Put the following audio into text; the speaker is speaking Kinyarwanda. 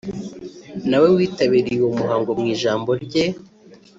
na we witabiriye uwo muhango mu ijambo rye